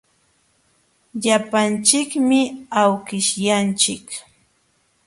Llapanchikmi awkishyanchik.